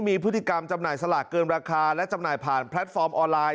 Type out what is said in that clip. มีพฤติกรรมจำหน่ายสลากเกินราคาและจำหน่ายผ่านแพลตฟอร์มออนไลน